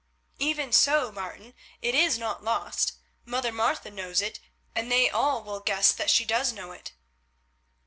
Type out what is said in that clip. "Even so, Martin, it is not lost; Mother Martha knows it, and they all will guess that she does know it."